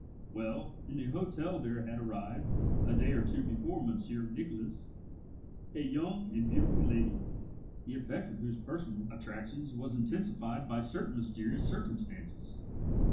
Well, in the hotel there had arrived, a day or two before Monsieur Nicholas, a young and beautiful lady, the effect of whose personal attractions was intensified by certain mysterious circumstances.